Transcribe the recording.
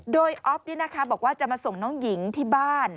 โดยอ๊อฟบอกว่าจะมาส่งน้องหญิงที่บ้าน